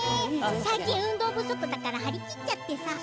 最近、運動不足だから張り切っちゃったよ。